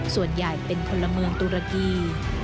ส่วนใหญ่เป็นพลเมืองตุรกี